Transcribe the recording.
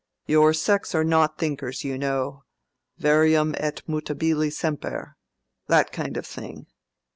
"Your sex are not thinkers, you know—varium et mutabile semper—that kind of thing.